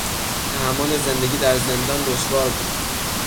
تحمل زندگی در زندان دشوار بود.